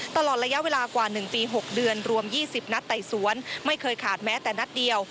ตลอดระยะเวลากว่า๑ปี๖เดือนรวม๒๐นัดไต่สวนไม่เคยขาดแม้แต่นัดเดียว